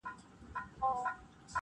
• هم خوارځواكى هم په ونه ټيټ گردى وو -